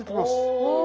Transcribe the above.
お！